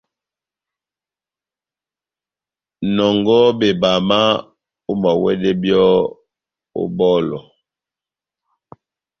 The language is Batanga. Nɔngɔhɔ bebama, omawɛdɛ byɔ́ ó bɔlɔ.